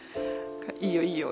「いいよいいよ。